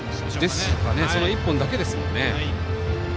その１本だけですもんね。